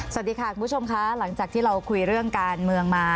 สวัสดีค่ะคุณผู้ชมค่ะหลังจากที่เราคุยเรื่องการเมืองมา